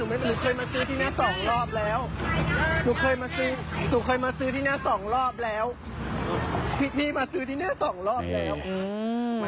ดูคลิปกันก่อนนะครับแล้วเดี๋ยวมาเล่าให้ฟังนะครับ